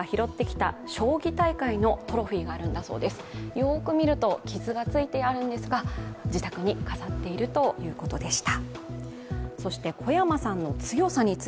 よく見ると傷がついているんですが、自宅に飾っているということでした。